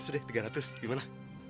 tiga ratus deh tiga ratus gimana